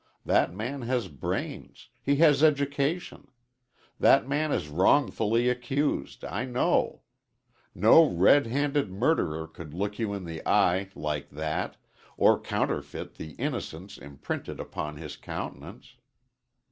That man has brains, he has education. That man is wrongfully accused, I know. No red handed murderer could look you in the eye like that, or counterfeit the innocence imprinted upon his countenance."